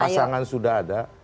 pasangan sudah ada